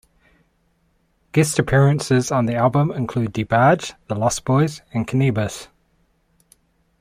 Guest appearances on the album included DeBarge, the Lost Boyz and Canibus.